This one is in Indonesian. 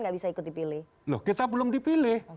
nggak bisa ikut dipilih loh kita belum dipilih